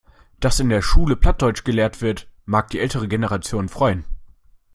Dass in der Schule Plattdeutsch gelehrt wird, mag die ältere Generation freuen.